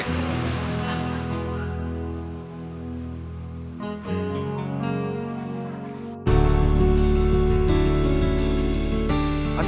ah apaan ini